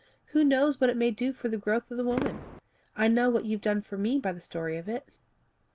Who knows what it may do for the growth of the woman? I know what you've done for me by the story of it."